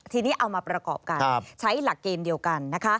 ทีนี้เอามาประกอบกันใช้หลักเกณฑ์เดียวกันนะคะ